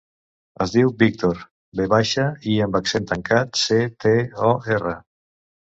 Es diu Víctor: ve baixa, i amb accent tancat, ce, te, o, erra.